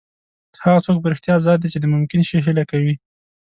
هغه څوک په رښتیا ازاد دی چې د ممکن شي هیله کوي.